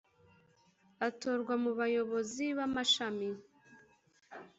atorwa mu bayobozi b amashami